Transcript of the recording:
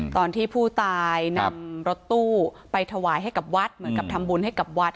ตอนที่ผู้ตายนำรถตู้ไปถวายให้กับวัดเหมือนกับทำบุญให้กับวัด